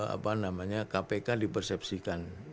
apa namanya kpk di persepsikan